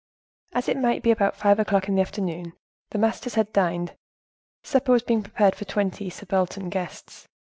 As it might be about five o'clock in the afternoon, the masters had dined: supper was being prepared for twenty subaltern guests.